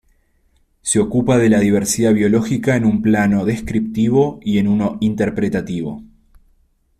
Se ocupa de la diversidad biológica en un plano descriptivo y en uno interpretativo.